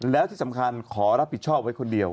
แล้วที่สำคัญขอรับผิดชอบไว้คนเดียว